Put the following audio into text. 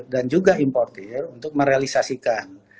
dan juga importer untuk merealisasikan